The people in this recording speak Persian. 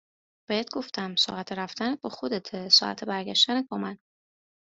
بهت گفتم ساعت رفتنت با خودته ساعت برگشتنت با من